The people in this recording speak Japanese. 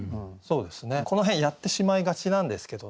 この辺やってしまいがちなんですけどね。